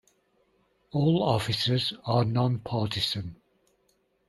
All offices are non-partisan.